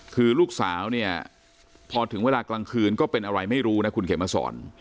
คือลูกสาวเนี่ยพอถึงเวลากลางคืนก็เป็นอะไรไม่รู้นะคุณเขมสอน